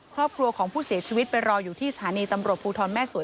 ครอบครัวของผู้เสียชีวิตไปรออยู่ที่สถานีตำรวจภูทรแม่สวย